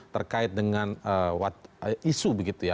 terkait dengan isu begitu ya